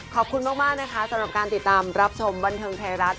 ขอบคุณมากนะคะสำหรับการติดตามรับชมบันเทิงไทยรัฐ